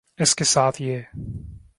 اس کے ساتھ یہ